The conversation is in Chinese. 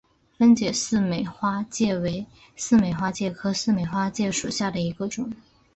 分解似美花介为似美花介科似美花介属下的一个种。